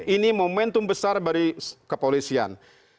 ini momentum besar dari kepolisian